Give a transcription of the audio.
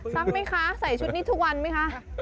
ซักมั้ยคะใส่ชุดนี้ทุกวันมั้ยคะ